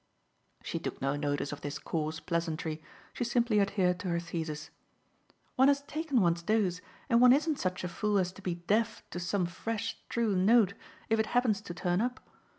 She took no notice of this coarse pleasantry, she simply adhered to her thesis. "One has taken one's dose and one isn't such a fool as to be deaf to some fresh true note if it happens to turn up.